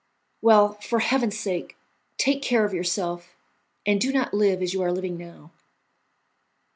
Well, for Heaven's sake, take care of yourself, and do not live as you are living now."